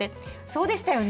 そうでしたよね。